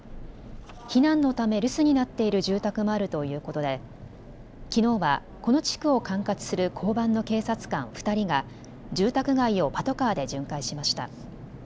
避難のため留守になっている住宅もあるということできのうはこの地区を管轄する交番の警察官２人が住宅街をパトカーで巡回しました。